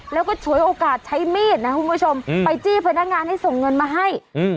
แล้วก็ฉวยโอกาสใช้มีดนะคุณผู้ชมไปจี้พนักงานให้ส่งเงินมาให้อืม